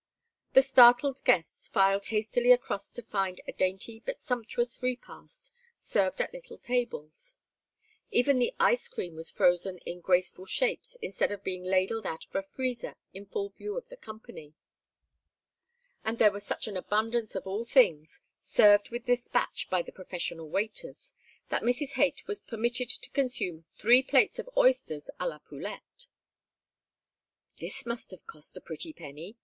The startled guests filed hastily across to find a dainty but sumptuous repast served at little tables. Even the ice cream was frozen in graceful shapes instead of being ladled out of a freezer in full view of the company, and there was such an abundance of all things, served with despatch by the professional waiters, that Mrs. Haight was permitted to consume three plates of oysters à la poulette. "This must have cost a pretty penny!"